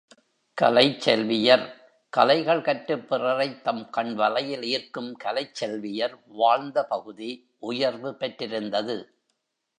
கலைச் செல்வியர் கலைகள் கற்றுப் பிறரைத் தம் கண்வலையில் ஈர்க்கும் கலைச் செல்வியர் வாழ்ந்த பகுதி உயர்வு பெற்றிருந்தது.